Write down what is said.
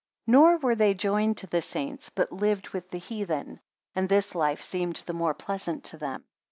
71 Nor were they joined to the saints, but lived with the heathen; and this life seemed the more pleasant to them.